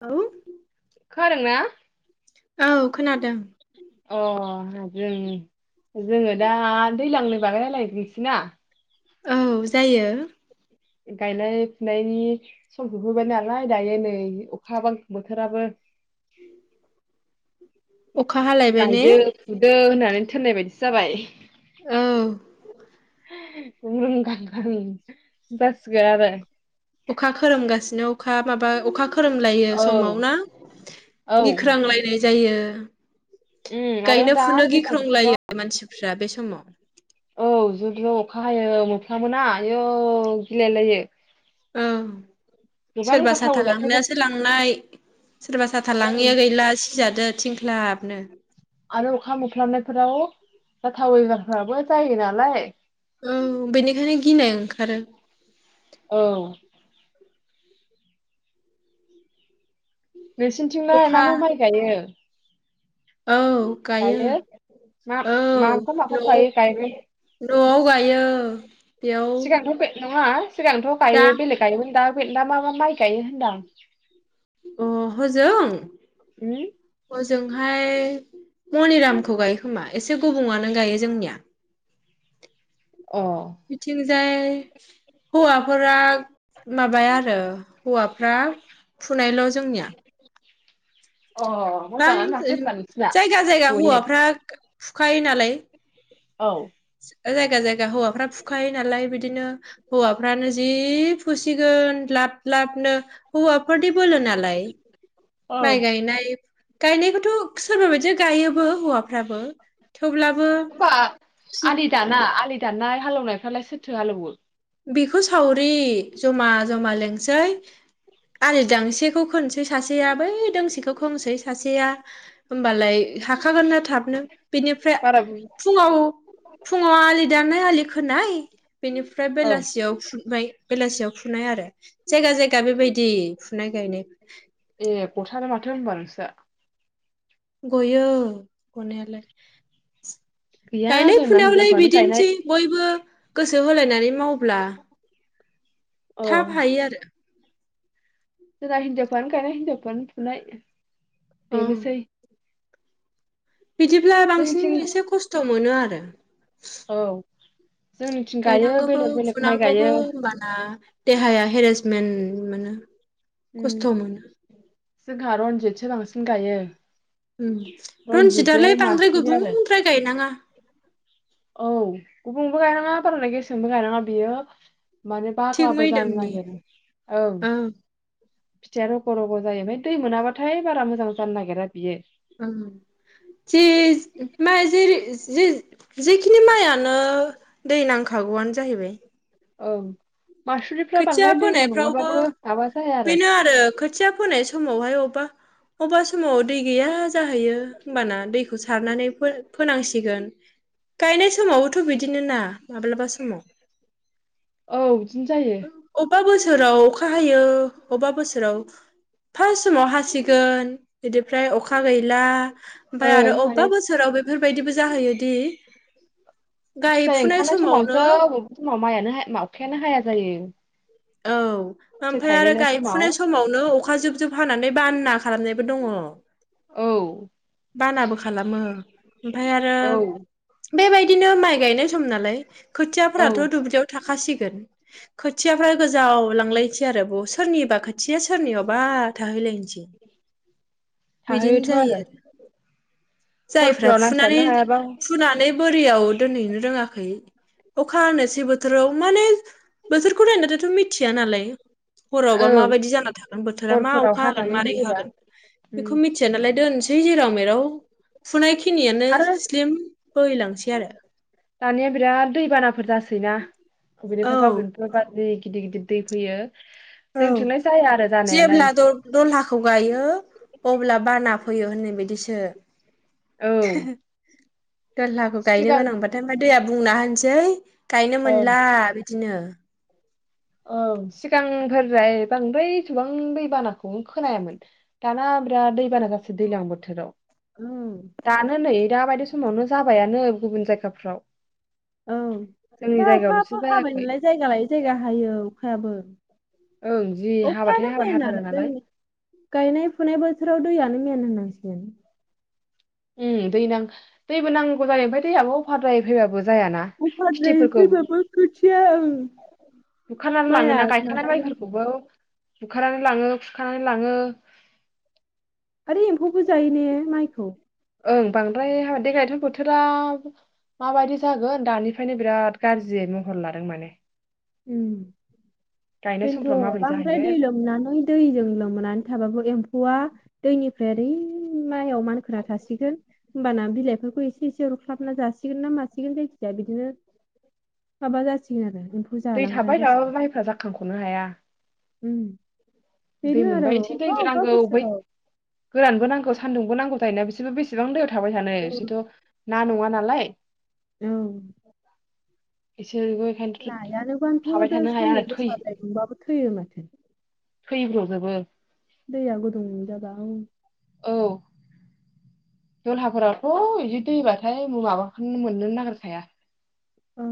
औ खोनादों ना औ खोनादों अ जों जोङो दा दैज्लांनो बागायनालाय जोंसना औ जायो। गायनाय फुनायनि सम सफैबाय नालाय दायो नै अखा बां बोथोराबो [inaudible] हालायबाय ने गायदो फुदो होनना नों थोननाय बायदिसो जाबाय औ [inaudible] अखा खोरोमगासिनो अखा माबा अखा खोरोमलायो औ समाव ना औ गिख्रांलायनाय जायो। [inaudible] उम आरो गायनो दा फुनो दैज्लां बोथोराव गिख्रंलायो मानसिफ्रा बे समाव औ जुब जुब अखा हायो मोफ्ला मोना आयौ गिलायलायो। ओं गोबां सोरबा साथा जाथावै जाथायफोर लांनायासो लांनाय सोरबा साथा औ लाङैया गैला सिजादो थिंख्लाबनो। आरो अखा मोफ्लामनायफोराव जाथावै बेमारफोराबो जायो नालाय औ बेनिखायनो गिनाय ओंखारो औ नोंसिनिथिंलाय मा अखा मा माइ गायो? औ गायो दायो मा औ माखौ माखौ गायो गायबाय न'आव-न'आव गायो बेयाव सिगांथ' बे नङा सिगांथ' दा गायो बेलेग गायोमोन दा फाय दा मा मा माइ गायो होनदां अ होजों? उम ओजोंहाय मनिरामखौ गायो खोमा एसे गुबुंङानो गायो जोंनिया। अ बिथिनो जाय होवा फोरा माबाया आरो हौवाफ्रा फुनायल जोंनिया। अ बां मोजाङानो माथो होनबा नोंसिना जायगा जायगा बयो हौवाफ्रा फुखायो नालाय। औ जायगा जायगा हौवाफ्रा फुखायो नालाय बिदिनो हौवाफ्रानो जि फुसिगोन लाब लाबनो हौवा फोरनि बोलो नालाय औ माय गायनाय गायनाय थ सोरबा बदि गायोबो हौवाफ्राबो थेवब्लाबो दानाय हालौनायफ्रालाय सोरथो हालेवो? बेखौ सावरि जमा जमा लिंसै आरो दांसेखौ खोनसै सासेया बै दोंसेखौ खोंसै सासेया होमबालाय हाखागोनना थाबनो बेनिफ्राय बारा बुर फुङाव फुङाव आलि दानाय आलि खोनाय बेनि ओमफ्राय औ बेलासियाव फुबाय बेलासियाव फु फुनाय आरो जायगा जायगा बेबायदि फुनाय गायनाय ए गथारानो माथो होनबा नोसा। गययो गनायालाय गैया गायनाय जोंना फुनायावलाय हिनजावफ्रानो गायनाय बिदिनोसै बयबो गोस गोसो होलायनानै मावब्ला औ थाब हायो आरो जोंना हिन्जावफ्रानो गायनाय हिन्जावफ्रानो फुनाय औ बेनोसै बिदिब्ला बांसिन जोंनिथिं एसे खस्थ' मोनो आरो। औ जोंनिथिं गायो गायनांगौबो बेलेग बेलेग माइ गायो फुनांगौबो होमबाना देहाया हेरेस मेन मोनो उम खस्थ' मोनो सो बांसिन गायो। उम रनजितजों रन्जितालाय बांद्राय मासुरि आरो गुबुंद्राय गायनाङा। औ गुबुंबो गायनाङा बारायद्राय गेसेंबो गायनाङा बेयो माने थिग बाग्लाबो जानो मैदोमनि नागिरो ओं औ फिथाइया रग' रग' जायो आमफाय दै मोनाबाथाय बारा मोजां जानो नागिरा बियो ओम, सिज मा जिरि जि जि खिनि माइआनो दै नांखागौआनो जाहैबाय। ओं। मासुरिफ्रा खोथिया बांद्राय दै फोनायफ्रावबो नङाबाबो माबा जाया बेनो आरो खोथिया फोनायस समावहाय अबा अबास समाव दै गैया जाहैयो होमबाना दै खौ सारनानै फो-फोनांसिगोन गायनाय समावबोथ' बिदिनो ना माब्लाबा समाव औ दिनो जायो। अबा बोसोराव अखा हायो अबा बोसोराव फास्ट समाव हासिगोन इदिफ्राय अखा गैला। ओमफाय आरो ओं माने अबेबा बोसोराव बेफोर बेबायदिबो जाहैयोदि फिथाइ गायफुनाय ओंखारनाय समावनो समावथ' अबावबा समाव माइआ नोहाय मावखायानो हाया जायो। औ फिथाइ ओमफाय आरो थायजेननाय समाव गायफुनाय समावनो अखा जुब जुब हानानै बानना खालामनायबो दङ। औ बानाबो खालामो ओमफाय आरो औ बेबायदिनो माइ गायनाय सम नालाय औ खोथियाफोराथ' दुब्लियाव थाखासिगोन खोथियाफ्रा गोजावलांलायनसै आरो ब सोरनिबा खोथिया सोरनियावबा थाहैलायनो बिदिनो जायो आरो जायफ्रा हरफोराव फुनानै नांस्लाबनो हायाबा फुनानै बोरियाव दोनहैनो रोङा खै अखा हानोसै बोथोराव माने बोथोरखौ नायनानैथ' मिथिया नालाय हरावबा ओं माबायदि जाना थागोन बोथोरा मा हरफोराव अखा हागोन हानानै मारै होयोबा हागोन उम बेखौ मिथिया नालाय दोनसै दै जेराव मेराव। फुनाय खि खिनियानो आरो स्लिम बोहैलांसै आरो। ना [unintelligible] औ गिदिर गिदिर दै फैयो औ जोंथिंलाय जाया आरो जानायालाय जेब्ला दल दलहाखौ गायो अब्ला बाना फैयो होननाय बायदिसो। औ [unintelligible] दहलाखौ गायनो सिगां गोनांबाथाय हा दैया बुंना होनोसै गायनो मोनला बिदिनो औ सिगाःग्रोद्राय बांद्राय एथबां दैबानाखौ खोनायामोन दाना बिराद दैबाना जासै दैज्लां बोथोराव ओम दानो नै दाबायदि सम समावनो जाबायानो गुबुन जायगाफ्राव ओं जोंनि दा जायगायावल'सो अखाबो हाबाय जायाखै नालाय जायगा लायै जायगा हायो। जाबोर ओं जि हाबाथाय अखायानो हाबाय मेन हाथारो आरो नालाय दैनि गायनाय फुनाय बोसोराव दैआनो मेन होनांसिगोन बेन। उम दै नां दैबो नांगौ जायो ओमफाय दैयाबो अफारद्राय फैबाबो जायाना उफाद्राय खेथिफोरखौ फैबाबो खोथिया ओं बुखारनानै माइआ लाङोना गायखानाय माबायो आरो माइफोरखौबो बुखारनानै लाङो खुरखानानै लाङो आरो एम्फौबो जायो ने माइखौ। ओं बांद्राय हाबा देग्लायथ' बोथोरा माबायदि जागोन दानिफ्रायनो बिराद गाज्रियै महर लादों माने उम गायनाय बेन्थ' समफ्राव माबोरै बांद्राय दै जाहैगोन लोमनानै दैजों लोमनानै थाबाबो एम्फौआ दैनिफ्राय ओरै माइआव मानखो खोना थासिगोन होमबाना बिलाइफोरखौ एसे एसे अरख्लाबना जासिगोन ना मासिगोन जायखिजाया बिदिनो माबा जासिगोन आरो एम्फौ दै जालांग्रा थाबाय जासिगोन थाबाबो माइफ्रा जाखांखनो हाया उम दै बेनो आरो मोनबा एसे अबेबा दैबो अबेबा नांगौ बै बोसोराव गोरानबो नांगौ सान्दुंबो नांगौ [unintelligible] थाबाय थानो इसेथ' हा नङा नालाय। उम बिसोरबो ओंखायनोथ' नायानोबाथ थाबाय द थानो हाया सान्दुं आरो थै गोसा द्राय दुंबाबो थैयो माथो थैब्रजोबो दैया गुदुं दाबा [unintelligible] औ दलहाफोरावथ' बिदि दैबाथाय माबाखौनो मोनोन नागिरखाया औ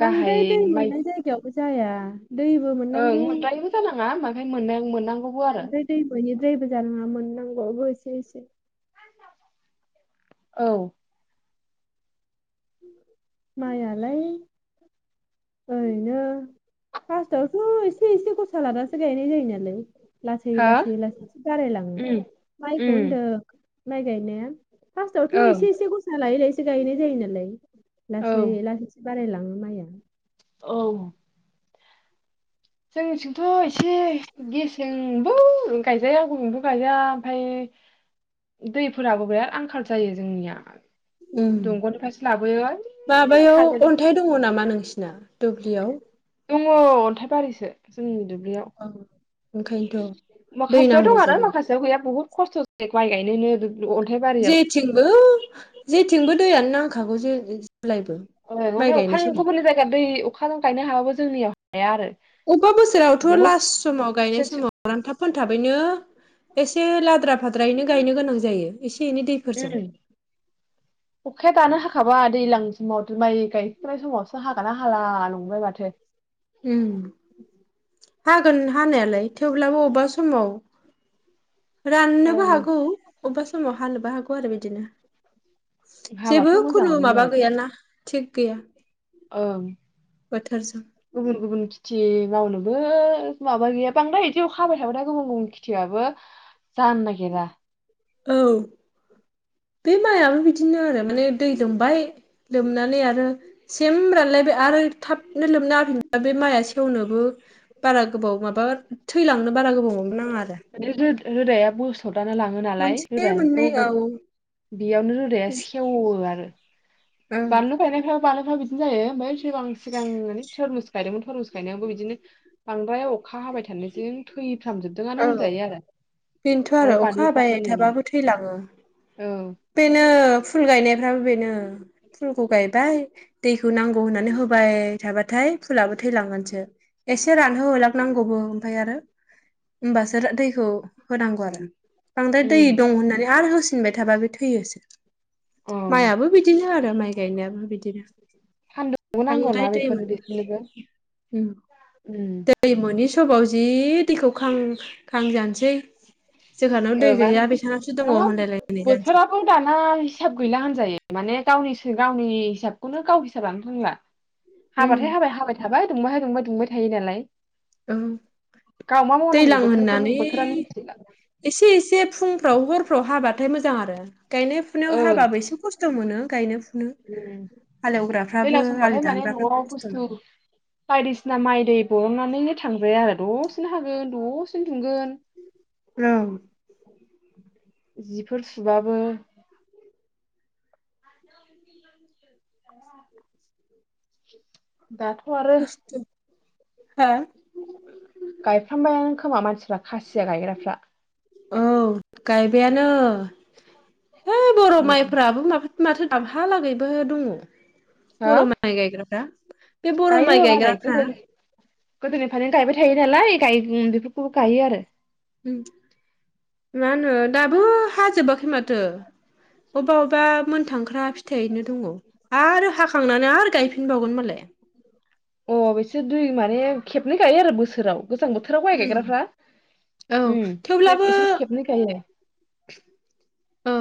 गाहाय बांद्राय दै माइ मोननाय जायगायावबो जाया दैबो ओं मोननांगौ। [inaudible] मोनद्रायैबो जानाङा ओमफ्राय मोन मोननांगौबो आरो बांद्राय दै मोनोनिद्रायबो जानाङा मोननांगौबो। [unintelligible] औ माइआलाय, ओरैनो, फास्टआवथ' एसे एसे ग [unintelligible] लादासो गायनाय जायो नालाय लासै हा लासै लासैसो बारायलाङो। उम माइखौ उम होनदों माय गायनाया फार्स्टआवथ ओं एसे एसे गसा लायै लायै गायनाय जायो नालाय औ लासै लासै बा बारायलाङो माइया औ। जोंनिथिंथ' एसे गेसेंबो गायजाया गुबुंबो गायजाया ओमफाय दैफोराबो बिराद आंखाल जायो जोंनिया ओम दंग'निफ्रायसो लाबोयो माबायाव हाजोनि अन्थाइ दङ नामा नोंसिन ना दुब्लियाव दङ अन्थाइबारिसो जोंनि बियाव औ ओंखायनोथ' [inaudible] दै माखासेयाव नांगौ दं आरो जायो माखासेयाव गैया बहुत खस्थस माइ गायनोनो अन्थाइ बारियाव जेथिंबो जेथिंबो दैयानो ना खागौ जे जेब्लायबो अ माइ माने गायनाय अखानि समाव गुबुनि जायगाया दै अखा गायनो हायाबो जोंनियाव हाया आरो अबबा बोसोरावथ' बहुद लास समाव गायनाय सेनसि समाव रांथाब फोनथाबै नो एसे लाद्रा फाद्रायैनो। गायनो गोनां जायो एसे एनै दैफोरजों माबा दैलां समाव माइ गायफुनाय समावसो हागोना हाला नङोलाय माथो उम। हागोन हानायालाय थेवब्लाबो अबेबा समाव राननोबो ओं हागौ अबेबा समाव हानोबो हागौ आरो बिदिनो। जेबो हाबाथ' खुनु माबा मोजाङानोमोन गैयाना थिक गैया। ओं। बोथोरजों गुबुन गुबुन खेथि मावनोबो माबा गैया बांद्राय बिदि खाबाय थाबाय दा गुबुन गुबुन खेथियाबबो जानो नागिरा। औ बे माइआबो बिदिनो आरो माने दै लोंबाय लोमनानै आरो सेम रानलायबाय आरो थाबनो लोबना होफिनबा बे माइआ सेवनोबो बारा गोबाव माबा थैलांनो बारा गोबाव माबा नाङा आरो [inaudible] रोदाया बोसर [unintelligible] लाङो नालाय मोनसे रोदाखौ मोननै औ बेयावनो रोदाया सेवो आरो औ बानलु गायनायफोराव बानलुफ्राबो बिदि जायो ओमफ्राय [unintelligible] थरमुस गायदोंमोन थरमुस गायनायावबो बिदिनो बांद्राय अखा हाबाय था थानायजों थैफ्रामजोबदों औ बेनोथ' आरो अखा हाबाय बानलुफ्राबो नै थाबाबो थैलाङो। औ बेनो फुल गायनाया [unintelligible] फुलखौ गायबाय दै खौ नांगौ होननानै होबाय थाबाथाय फुलाबो थैलांगोनसो एसे रानहो होलांनांगौबो ओमफाय आरो होमबासो दैखौ होनांगौ आरो। बांद्राय दै उम दं होननानै आरो होस [unintelligible] औ [unintelligible] माइयाबो बिदिनो आरो माइ गायनायाबो बिदिनो सान्दुंबो बांद्राय नांगौना बेफोरनो बिसोरनोबो दैमोन उम दै मोनि समाव जि दैखौ खां खां जानो जे औ होनलायलायनाय [unintelligible] जानोसै बोथोराबो दाना हिसाब गैला होनजायो माने गावनि गावनि हिसाबखौनो गाव हिसाबलानो रोंला। उम हाबाथाय हाबाय हाबाय थाबाय दुंबाहाय दुंबाय दुंबाय थायो नालाय। ओं गाव मा मावनांगौ दैलां बोथोरखौनो होननानै बोथोरानो मिथिला एसे एसे [unintelligible] फुंफ्राव हरफ्राव हाबाथाय मोजां आरो। गायनाय फुनायाव ओं हाबाबो एसे खस्थ मोनो। गायनो फुनो उम हालेवग्राफ्राबो दैलां आलि समबाथाय माने दानग्राफ्राबो नआव खस्थ' बुस्थु मोनो बायदिसिना माइ दै बरननानैनो थांबाय आरो दसेनो हागोन दसेनो दुंगोन ओं। जिफोर सुबाबो दाथ आरो हो? गायफ्रामबायानो खोमा मानसिफ्रा खासिया गायग्राफ्रा। औ। गायबायानो। है [unintelligible] उम माइफ्राबो माबा माथो दाबहालागैबो दङ। हो बर माइ गायग्राफ्रा बे बर' माइ गायो मालाय गायग्राफ्रा गोदो गोदोनिफ्रायनो गायबाय थायो नालाय गाय उम बेफोरखौबो गायो आरो। उम मा होनो दाबो हाजोबाखै माथो अबबा अबबा मोनथांख्रा फिथाइनो दङ आरो हाखांनानै आरो गायफिनबावगोन मालाय। अ बिसोर दुइ माने खेबनै गायो आरो बोसोराव। गोजां बोथोराव माइ गायग्राफ्रा उम्म औ उम थेवब्लाबो बिसोर खेबनै गायो औ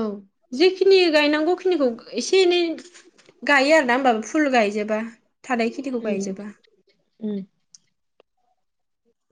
जेखिनि गायनांगौखि खिनिखौ एसे एनै गायो आरोना होमबाबो फुल गायजोबा। थानाय खेथिखौ उम गायजोबा। उम